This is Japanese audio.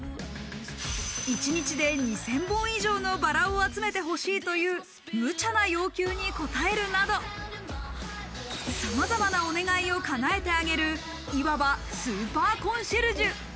一日で２０００本以上のバラを集めてほしいという無茶な要求に応えるなど、さまざまなお願いを叶えてあげる、いわばスーパーコンシェルジュ。